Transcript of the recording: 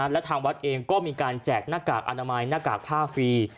และทางวัดเองก็มีการแจกหน้ากากอนามัยหน้ากากผ้าฟรี